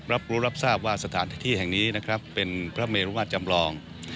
รับรู้รับทราบว่าสถานที่แห่งนี้นะครับเป็นพระเมรุมาตรจำลอง